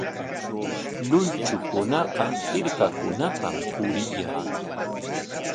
Luychukunaqa hirkakunapam puriyan.